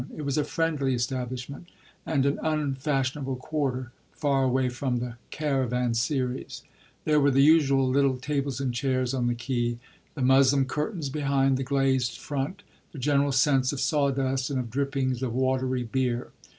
It was a friendly establishment and an unfashionable quarter, far away from the caravan series; there were the usual little tables and chairs on the quay, the muslin curtains behind the glazed front, the general sense of sawdust and of drippings of watery beer.